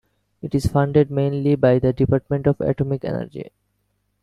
It is funded mainly by the Department of Atomic Energy.